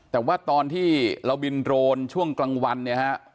แต่ว่าตอนที่เราบินโดรนช่วงกลางวันเนี่ยฮะ